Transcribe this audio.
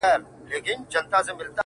چي روږدي سوی له کوم وخته په گيلاس يمه-